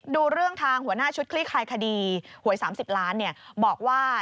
ดูเรื่องทางหัวหน้าชุดคลี่คลายคดีหวย๓๐ล้านบอกว่า